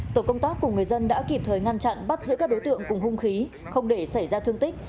tổ công tác cùng người dân đã kịp thời ngăn chặn bắt giữ các đối tượng cùng hung khí không để xảy ra thương tích